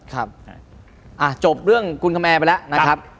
จบเรื่องคุณคแมร์ไปแล้วนะครับ